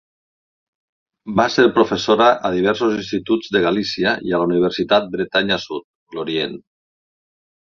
Va ser professora a diversos instituts de Galícia i a la Universitat Bretanya Sud, Lorient.